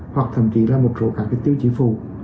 hoặc thậm chí là một số các tiêu chí phụ